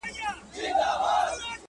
چي تر کومي اندازې مو قدر شان وو،